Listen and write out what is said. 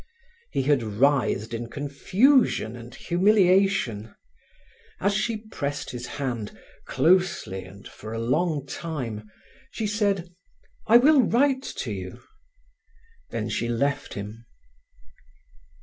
He had writhed in confusion and humiliation. As she pressed his hand, closely and for a long time, she said: "I will write to you." Then she left him.